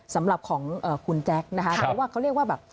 สำหรับของคุณแจ๊กนะคะเขาเรียกว่าแบบ